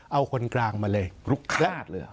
เอาคนกลางมาเลย